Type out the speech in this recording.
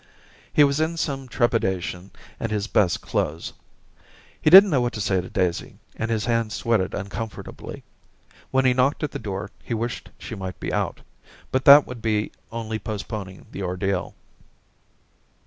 He was in some trepidation and his best clothes. He didn't know what to say to Daisy, and his hands sweated uncomfortably. When he knocked at the door he wished she might be out — but that would only be post poning the ordeal.